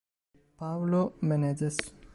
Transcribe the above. Paulo Menezes